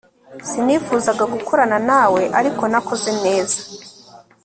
sinifuzaga gukorana na we, ariko nakoze neza